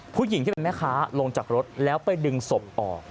ผู้หญิงที่เป็นแม่ค้าลงจากรถแล้วไปดึงศพออก